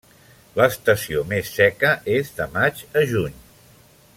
L'estació més seca és de maig a juny.